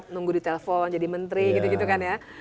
jadi telpon jadi menteri gitu kan ya